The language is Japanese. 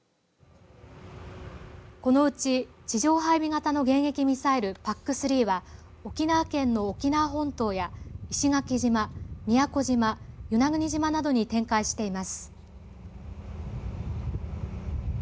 このうち地上配備型の迎撃ミサイルＰＡＣ３は沖縄県の沖縄本島や石垣島、宮古島、与那国島などに展開しています。